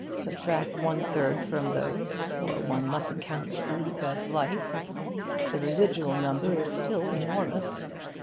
Subtract one third of these, for one mustn't count sleep as life. The residual number is still enormous.